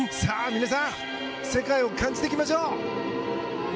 皆さん世界を感じていきましょう！